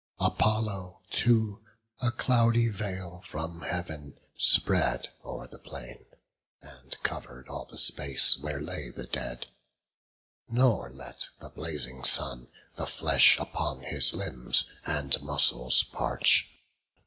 Apollo too a cloudy veil from Heav'n Spread o'er the plain, and cover'd all the space Where lay the dead, nor let the blazing sun The flesh upon his limbs and muscles parch.